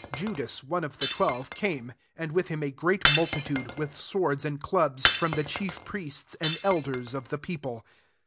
Judas, one of the twelve, came; and with him a ^«at multitude, with swords and clubs, from the cfaief^rtests iukI elders of the people.